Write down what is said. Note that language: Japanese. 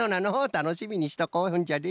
たのしみにしとこうそんじゃね。